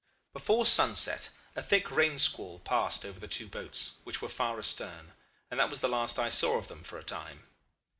"Before sunset a thick rain squall passed over the two boats, which were far astern, and that was the last I saw of them for a time.